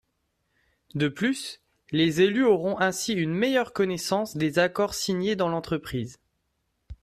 De plus, les élus auront ainsi une meilleure connaissance des accords signés dans l’entreprise.